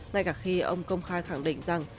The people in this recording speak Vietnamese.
ngay cả khi ông công khai khẳng định rằng